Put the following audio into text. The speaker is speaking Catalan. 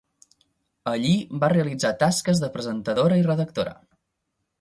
Allí va realitzar tasques de presentadora i redactora.